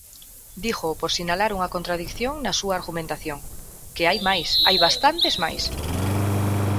Dígoo por sinalar unha contradición na súa argumentación, que hai máis, hai bastantes máis.